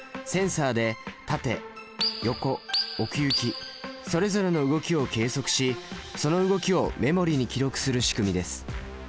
センサで縦横奥行きそれぞれの動きを計測しその動きをメモリに記録するしくみです。